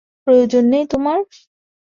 প্রয়োজন নেই তোমার?